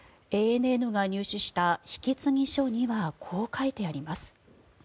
ＡＮＮが入手した引き継ぎ書にはこう書いてあります。